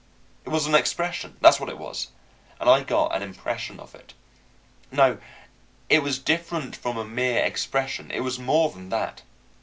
It was an expression, that's what it was, and I got an impression of it. No; it was different from a mere expression; it was more than that.